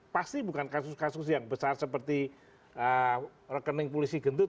pasti bukan kasus kasus yang besar seperti rekening polisi gendut